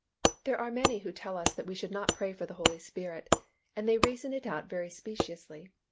There are many who tell us that we should not pray for the Holy Spirit, and they reason it out very speciously.